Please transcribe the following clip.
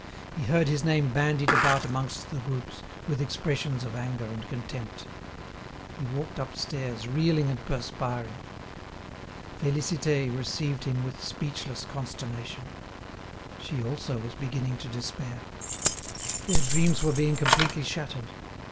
He heard his name bandied about amongst the groups, with expressions of anger and contempt. He walked upstairs, reeling and perspiring. Félicité received him with speechless consternation. She, also, was beginning to despair. Their dreams were being completely shattered.